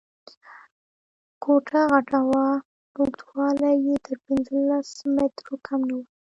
کوټه غټه وه، اوږدوالی یې تر پنځلس مترو کم نه و.